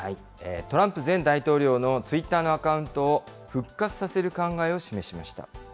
トランプ前大統領のツイッターのアカウントを復活させる考え